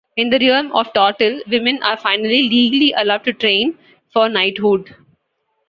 In the realm of Tortall, women are finally legally allowed to train for knighthood.